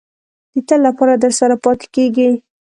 د تل لپاره درسره پاتې کېږي.